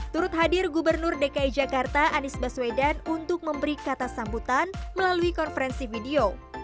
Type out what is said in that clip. turut hadir gubernur dki jakarta anies baswedan untuk memberi kata sambutan melalui konferensi video